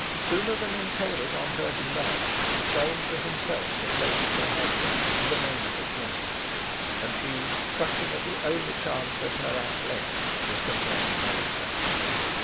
Sooner than entail it on her he loved, he claimed for himself the place of her husband and the name of king. And she, clutching at the only chance that her act left, was content to have it so.